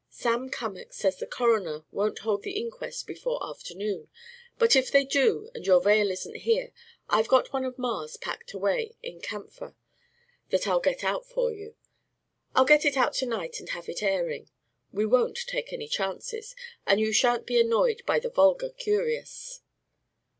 Sam Cummack says the coroner won't hold the inquest before afternoon, but if they do and your veil isn't here, I've got one of Ma's packed away in camphor that I'll get out for you. I'll get it out to night and have it airing we won't take any chances; and you sha'n't be annoyed by the vulgar curious."